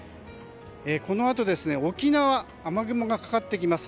このあと、沖縄雨雲がかかってきます。